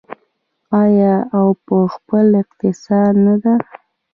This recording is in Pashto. آیا او په خپل اقتصاد نه ده؟